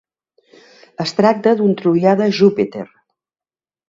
Es tracta d'un troià de Júpiter.